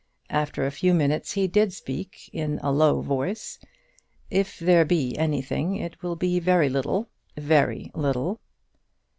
After a few minutes he did speak in a low voice. "If there be anything, it will be very little, very little."